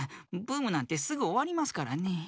ブームなんてすぐおわりますからね。